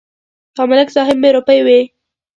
په ملک صاحب مې روپۍ وې.